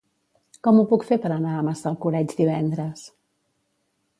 Com ho puc fer per anar a Massalcoreig divendres?